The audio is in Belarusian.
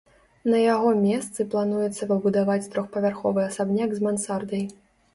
На яго месцы плануецца пабудаваць трохпавярховы асабняк з мансардай.